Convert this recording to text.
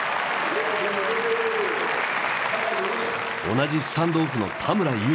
同じスタンドオフの田村優。